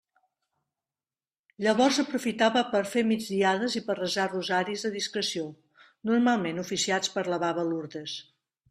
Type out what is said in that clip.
Llavors aprofitava per a fer migdiada i per a resar rosaris a discreció, normalment oficiats per la baba Lourdes.